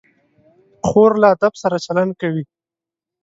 خور له ادب سره چلند کوي.